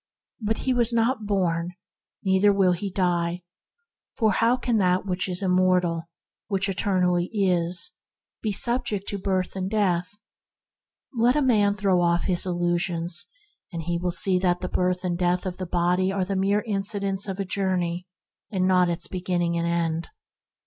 But he was not born, neither will he die, for how can that which is immortal, which eternally is, be subject to birth and death ? Let a man throw off his illusions, and then he will see that the birth and death of the body are the mere incidents of a journey, and not its beginning and end: "Our birth is but a sleep and a forgetting."